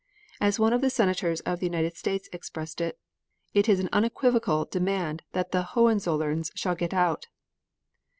As one of the Senators of the United States expressed it: "It is an unequivocal demand that the Hohenzollerns shall get out."